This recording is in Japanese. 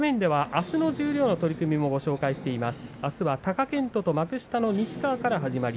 あすの十両の取組をご紹介しています。